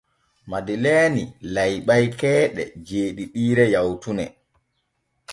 Madeleeni layɓay keeɗe jeeɗiɗiire yawtune.